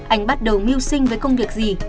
anh bắt đầu miêu sinh với công việc gì